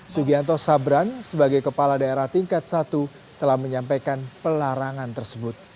sugianto sabran sebagai kepala daerah tingkat satu telah menyampaikan pelarangan tersebut